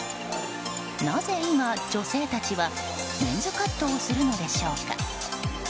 なぜ今、女性たちはメンズカットをするのでしょうか。